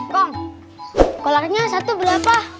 komp kolarnya satu berapa